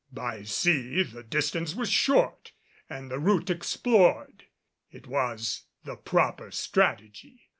By sea, the distance was short and the route explored. It was the proper strategy.